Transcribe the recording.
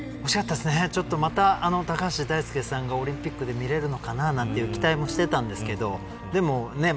また高橋大輔さんがオリンピックで見れるのかななんて期待もしてたんですけど